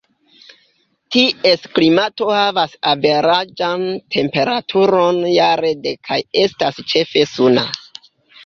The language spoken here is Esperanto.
Ties klimato havas averaĝan temperaturon jare de kaj estas ĉefe suna.